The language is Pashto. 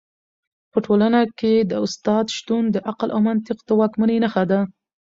په ټولنه کي د استاد شتون د عقل او منطق د واکمنۍ نښه ده.